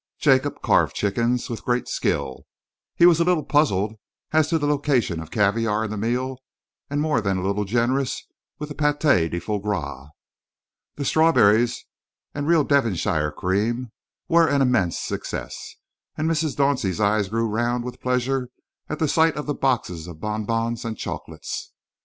Jacob carved chickens with great skill, but was a little puzzled as to the location of caviare in the meal and more than a little generous with the pâté de foie gras. The strawberries and real Devonshire cream were an immense success, and Mrs. Dauncey's eyes grew round with pleasure at the sight of the boxes of bonbons and chocolates.